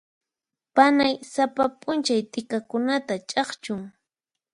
Panay sapa p'unchay t'ikakunata ch'akchun.